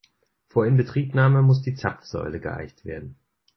Vor Inbetriebnahme muss die Zapfsäule geeicht werden.